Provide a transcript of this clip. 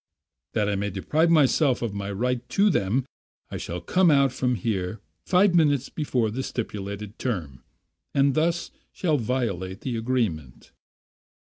That I may deprive myself of my right to them, I shall come out from here five minutes before the stipulated term, and thus shall violate the agreement."